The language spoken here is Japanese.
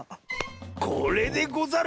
これでござる。